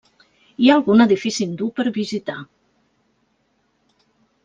Hi ha algun edifici hindú per visitar.